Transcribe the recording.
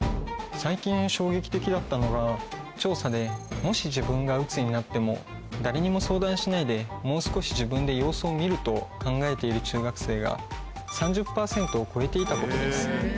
最近衝撃的だったのが調査でもし自分がうつになっても誰にも相談しないでもう少し自分で様子を見ると考えている中学生が３０％を超えていたことです。